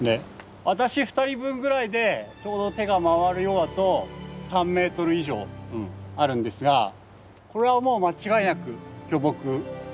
私２人分ぐらいでちょうど手が回るようだと３ｍ以上あるんですがこれはもう間違いなく巨木。